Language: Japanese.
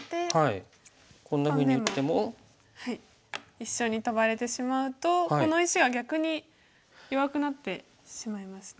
一緒にトバれてしまうとこの石が逆に弱くなってしまいますね。